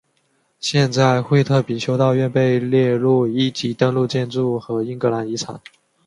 现在惠特比修道院被列入一级登录建筑和英格兰遗产。